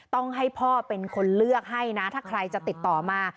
ต้องให้พ่อเป็นคนเลือกให้นะถ้าใครจะติดต่อมา